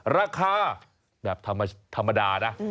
ราคาแบบธรรมดานะ